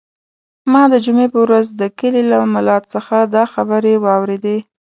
ما د جمعې په ورځ د کلي له ملا څخه دا خبرې واورېدې.